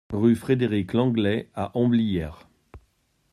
Rue Frédéric Lenglet à Homblières